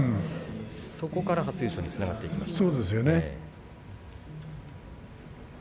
そこから初優勝につながりました。